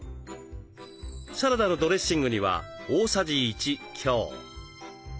サラダのドレッシングには大さじ１強。